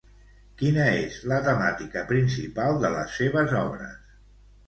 Quina és la temàtica principal de les seves obres?